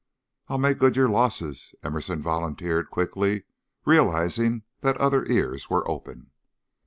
"I'll make good your losses," Emerson volunteered, quickly, realizing that other ears were open.